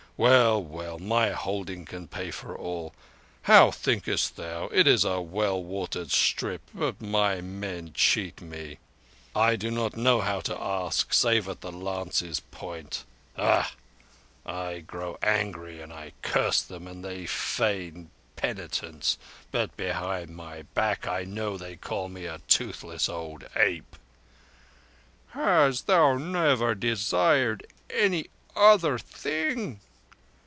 Well, well, my holding can pay for all. How thinkest thou? It is a well watered strip, but my men cheat me. I do not know how to ask save at the lance's point. Ugh! I grow angry and I curse them, and they feign penitence, but behind my back I know they call me a toothless old ape." "Hast thou never desired any other thing?"